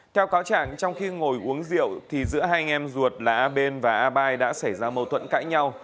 theo cáo trạng trong khi ngồi uống rượu thì giữa hai anh em ruột là a bên và a bai đã xảy ra mâu thuẫn cãi nhau